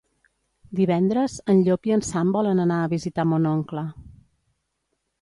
Divendres en Llop i en Sam volen anar a visitar mon oncle.